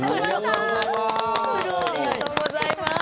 ありがとうございます。